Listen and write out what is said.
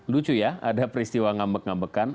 lucu ya ada peristiwa ngambek ngambekan